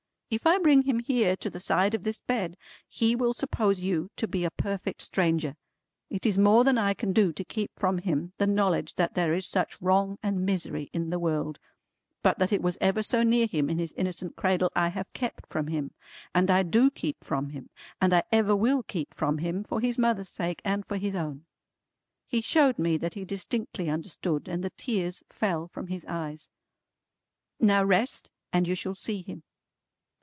If I bring him here to the side of this bed, he will suppose you to be a perfect stranger. It is more than I can do to keep from him the knowledge that there is such wrong and misery in the world; but that it was ever so near him in his innocent cradle I have kept from him, and I do keep from him, and I ever will keep from him, for his mother's sake, and for his own." He showed me that he distinctly understood, and the tears fell from his eyes. "Now rest, and you shall see him."